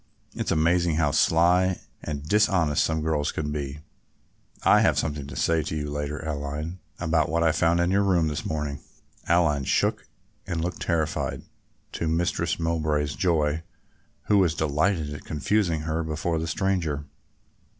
It's amazing how sly and dishonest some girls can be. I have something to say to you later, Aline, about what I found in your room this morning." The "lout" was the predecessor of the curtsey. Aline shook and looked terrified, to Mistress Mowbray's joy, who was delighted at confusing her before the stranger.